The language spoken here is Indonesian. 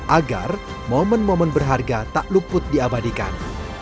agar momen momen berharga tak luput diabadikan